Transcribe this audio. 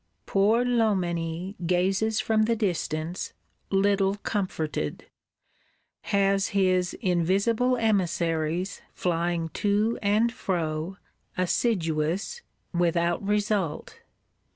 Poor Loménie gazes from the distance, little comforted; has his invisible emissaries flying to and fro, assiduous, without result.